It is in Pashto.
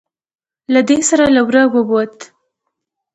له دې سره له وره ووت.